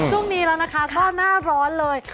ช่วงนี้แล้วนะคะก็หน้าร้อนเลย